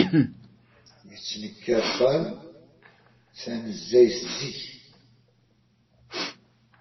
Yettnekkar tal tanezzayt zik.